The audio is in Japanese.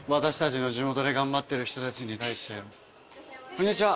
こんにちは。